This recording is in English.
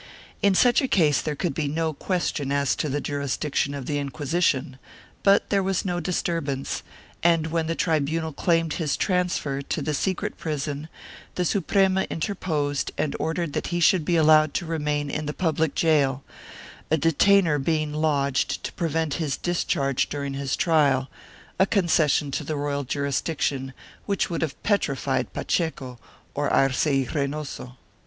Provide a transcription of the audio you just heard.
In such a case there could be no question as to the jurisdiction of the Inquisiton, but there was no disturbance, and when the tribunal claimed his transfer to the secret prison the Suprema interposed and ordered that he should be allowed to remain in the public gaol, a detainer being lodged to prevent his discharge during his trial — a concession to the royal jurisdiction which would have petrified Pacheco or Arce y Reynoso.